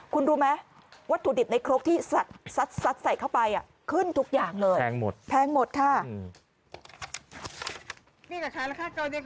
คุณรู้ไหมวัตถุดิบในครกที่ซัดใส่เข้าไปขึ้นทุกอย่างเลยแพงหมดค่ะ